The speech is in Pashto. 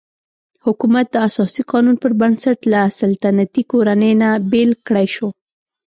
حکومت د اساسي قانون پر بنسټ له سلطنتي کورنۍ نه بېل کړای شو.